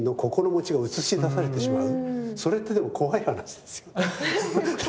それってでも怖い話ですよね。